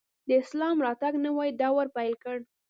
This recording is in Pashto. د اسلام راتګ نوی دور پیل کړ